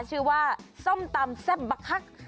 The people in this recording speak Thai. ชื่อว่าส้มตำแซ่บบะคัก